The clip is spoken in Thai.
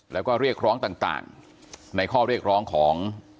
แล้วก็เรียกร้องต่างในข้อเรียกร้องของ